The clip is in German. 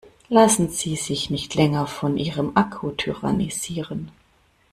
Lassen Sie sich nicht länger von ihrem Akku tyrannisieren!